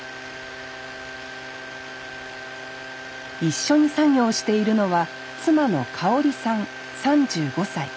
一緒に作業しているのは妻のかほりさん３５歳。